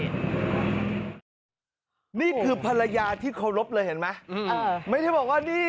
ก็ไม่ได้บาทเจ็บอะไรหรือพี่